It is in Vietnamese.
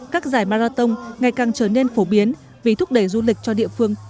các giải marathon ngày càng trở nên phổ biến vì thúc đẩy du lịch cho địa phương